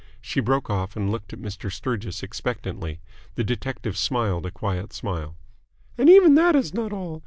She broke off and looked at Mr. Sturgis expectantly. The detective smiled a quiet smile. "And even that is not all.